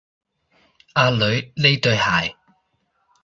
阿女，呢對鞋